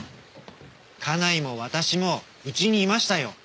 家内も私もうちにいましたよ。